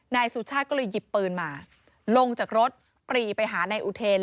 นายสุชาติก็เลยหยิบปืนมาลงจากรถปรีไปหานายอุเทน